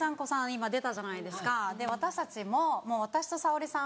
今出たじゃないですかで私たちも私と沙保里さん